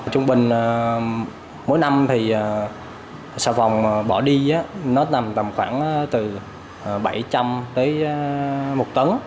trung bình mỗi năm thì xà phòng bỏ đi nó tầm tầm khoảng từ bảy trăm linh tới một tấn